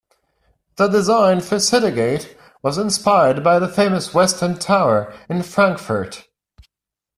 The design for City Gate was inspired by the famous Westend Tower in Frankfurt.